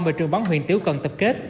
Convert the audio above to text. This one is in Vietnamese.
về trường bắn huyện tiếu cần tập kết